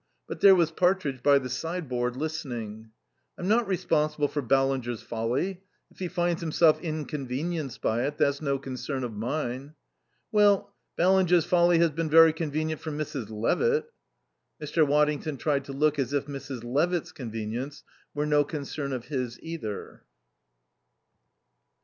But there was Partridge by the sideboard, listening. "I'm not responsible for Ballinger's folly. If he finds himself inconvenienced by it, that's no concern of mine." "Well, Ballinger's folly has been very convenient for Mrs. Levitt." Mr. Waddington tried to look as if Mrs. Levitt's convenience were no concern of his either.